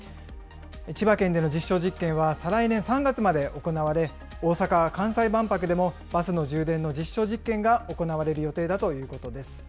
千葉県での実証実験は再来年３月まで行われ、大阪・関西万博でもバスの充電の実証実験が行われる予定だということです。